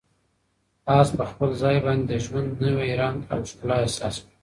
آس په خپل ځان باندې د ژوند نوی رنګ او ښکلا احساس کړه.